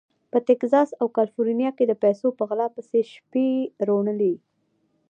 په تګزاس او کالیفورنیا کې د پیسو په غلا پسې شپې روڼولې.